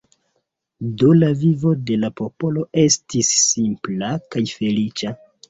Do la vivo de la popolo estis simpla kaj feliĉa.